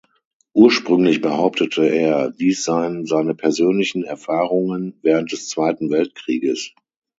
Ursprünglich behauptete er, dies seien seine persönlichen Erfahrungen während des Zweiten Weltkrieges.